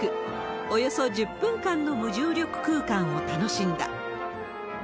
およそ１０分間の無重力空間を楽しんだ。